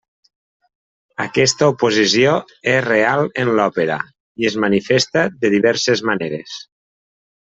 Aquesta oposició és real en l'òpera i es manifesta de diverses maneres.